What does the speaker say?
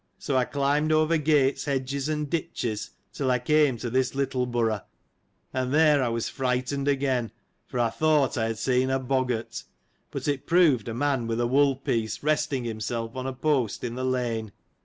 So, I climbed over gates, hedges, and ditches, till I came to this Littleborough, and there I was frightened again, for, I thought I had seen a boggart ; but it proved a man with a wool piece, resting himself on a post, in the lane.